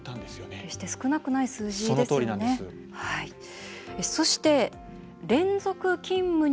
決して少なくない数字ですよね。